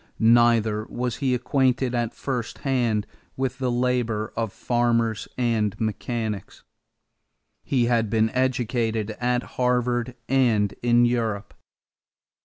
Neither was he acquainted at first hand with the labor of farmers and mechanics. He had been educated at Harvard and in Europe.